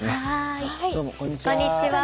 こんにちは。